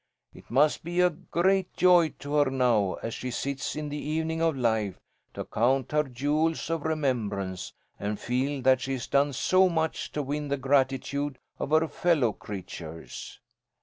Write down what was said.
It must be a great joy to her now, as she sits in the evening of life, to count her jewels of remembrance, and feel that she has done so much to win the gratitude of her fellow creatures.